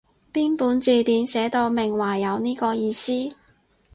邊本字典寫到明話有呢個意思？